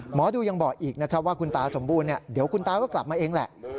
หมอดูยังบอกอีกนะครับว่าคุณตาสมบูรณ์เดี๋ยวคุณตาก็กลับมาเองแหละ